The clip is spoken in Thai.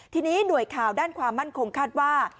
ทีนี้หน่วยข่าวด้านความมั่นคงคาดว่า